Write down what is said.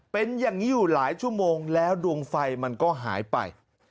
เป็นอย่างนี้อยู่หลายชั่วโมงแล้วดวงไฟมันก็หายไป